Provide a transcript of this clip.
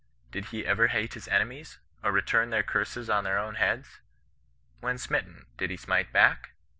Did he ever hate his ene mies, or return their curses on their own heads ? When smitten, did he smite back?